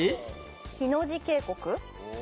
ひの字渓谷。